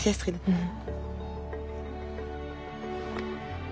うん。